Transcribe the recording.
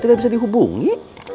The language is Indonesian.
tidak bisa dihubungi